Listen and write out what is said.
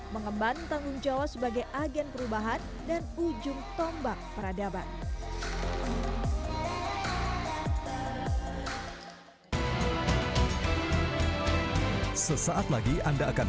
mengemban tanggung jawab sebagai agen perubahan dan ujung tombak peradaban